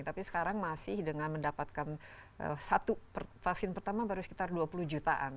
tapi sekarang masih dengan mendapatkan satu vaksin pertama baru sekitar dua puluh jutaan